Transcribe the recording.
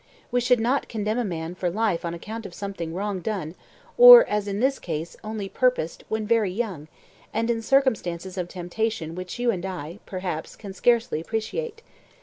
We should not condemn a man for life on account of something wrong done, or, as in this case, only purposed, when very young, and in circumstances of temptation which you and I, perhaps, can scarcely appreciate.